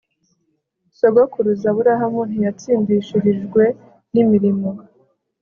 sogokuruza aburahamu ntiyatsindishirijwe n'imirimo